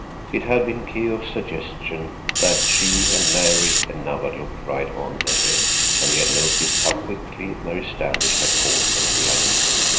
It had been Keok's suggestion that she and Mary and Nawadlook ride on ahead, and he had noticed how quickly Mary Standish had caught at the idea.